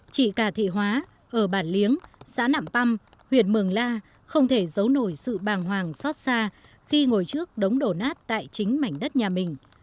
chị cà thị hóa ở bản liếng xã nạm păm huyện mường la không thể giấu nổi sự bàng hoàng xót xa khi ngồi trước đống đổ nát tại chính mảnh đất nhà mình